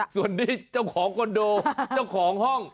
ส่วนนี้เจ้าของคอนโดเจ้าของห้อง